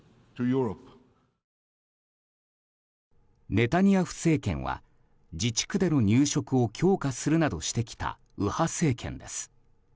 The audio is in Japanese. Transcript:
ネタニヤフ政権は自治区での入植を強化するなどしてきた右派政権です。